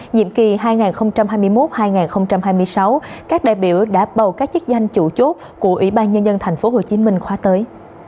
nhiệm kỳ hai nghìn hai mươi một hai nghìn hai mươi sáu các đại biểu đã bầu các chức danh chủ chốt của ủy ban nhân dân tp hcm khóa tới